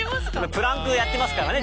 プランクやってますからね